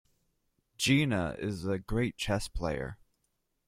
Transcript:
Gina is a great chess player.